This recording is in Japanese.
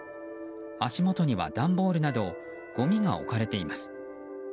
足元には段ボールなどごみが置かれています。